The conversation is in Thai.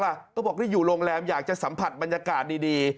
ก็บอกได้อยู่โรงแรมอยากจะสัมผัสบรรยากาศดี